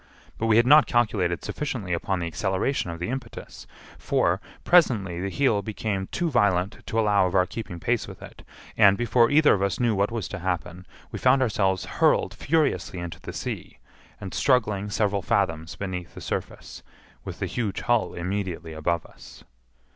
But we had not calculated sufficiently upon the acceleration of the impetus; for, presently the heel became too violent to allow of our keeping pace with it; and, before either of us knew what was to happen, we found ourselves hurled furiously into the sea, and struggling several fathoms beneath the surface, with the huge hull immediately above us.